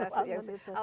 harus sudah terbangun